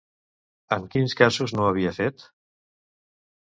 En quins casos no ho havia fet?